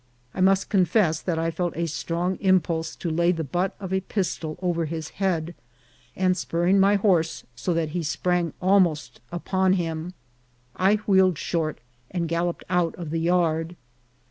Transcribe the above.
I must confess that I felt a strong impulse to lay the butt of a pistol over his head ; and spurring my horse so that he sprang al most upon him, I wheeled short and galloped out of the yard.